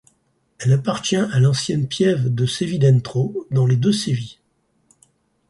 Elle appartient à l'ancienne piève de Sevidentro, dans les Deux-Sevi.